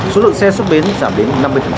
số lượng xe xuất bến giảm đến năm mươi